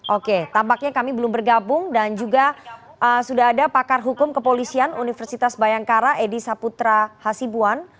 oke tampaknya kami belum bergabung dan juga sudah ada pakar hukum kepolisian universitas bayangkara edi saputra hasibuan